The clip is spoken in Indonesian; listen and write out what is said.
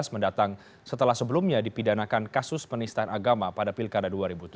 mendatang setelah sebelumnya dipidanakan kasus penistaan agama pada pilkada dua ribu tujuh belas